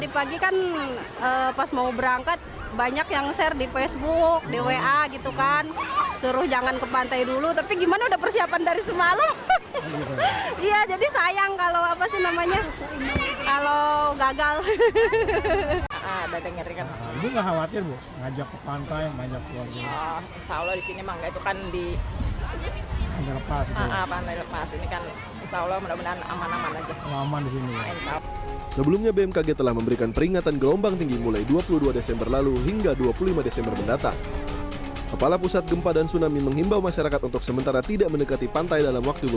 pertanyaan terakhir bagaimana pengunjung berpikir bahwa mereka akan menjauh dari pantai ancol